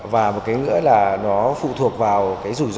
và một cái nữa là nó phụ thuộc vào rủi ro của kinh tế